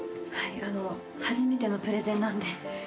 はい初めてのプレゼンなんで。